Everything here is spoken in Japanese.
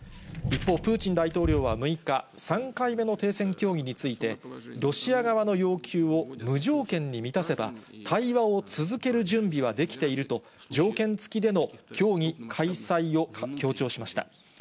一方、プーチン大統領は６日、３回目の停戦協議について、ロシア側の要求を無条件に満たせば、対話を続ける準備はできていると、条件付きでの協議開催を強調しました。